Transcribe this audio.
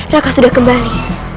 raka sudah kembali